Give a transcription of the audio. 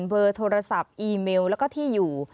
เบอร์โทรศัพท์อีเมลแล้วก็ที่อยู่